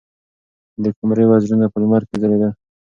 د قمرۍ وزرونه په لمر کې ځلېدل.